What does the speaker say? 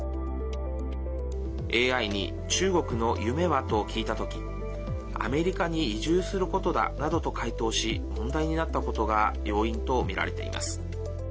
ＡＩに「中国の夢は？」と聞いた時「アメリカに移住することだ」などと回答し問題になったことが要因とみられています。